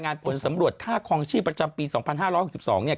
ผลสำรวจค่าคลองชีพประจำปี๒๕๖๒เนี่ย